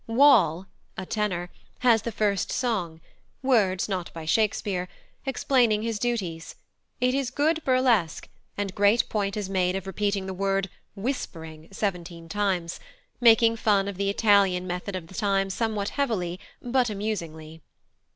Wall (a tenor) has the first song, words not by Shakespeare, explaining his duties; it is good burlesque, and great point is made of repeating the word "whispering" seventeen times, making fun of the Italian method of the time somewhat heavily but amusingly.